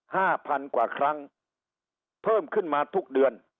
ห้าพันกว่าครั้งเพิ่มขึ้นมาทุกเดือน